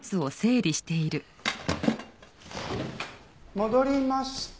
戻りました。